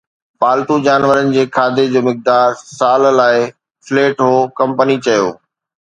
پالتو جانورن جي کاڌي جو مقدار سال لاء فليٽ هو، ڪمپني چيو